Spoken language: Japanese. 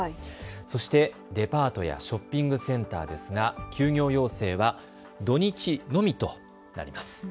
そしてデパートやショッピングセンターですが休業要請は土日のみとなります。